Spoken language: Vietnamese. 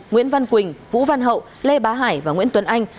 nguyễn văn quỳnh vũ văn hậu lê bá hải và nguyễn tuấn anh